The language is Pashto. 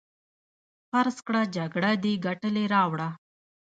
فرض کړه جګړه دې ګټلې راوړه.